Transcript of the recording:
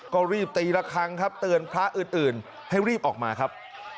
ก็รีบตีละครั้งครับเตือนพระอื่นให้รีบออกมาครับ